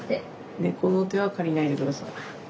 猫の手は借りないで下さい。